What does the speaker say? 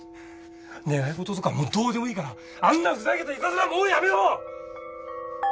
願い事とかもうどうでもいいからあんなふざけたいたずらもうやめろ！